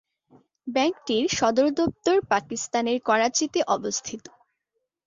ব্যাংকটির সদর দপ্তর পাকিস্তানের করাচিতে অবস্থিত।